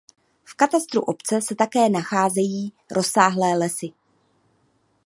V katastru obce se také nacházejí rozsáhlé lesy.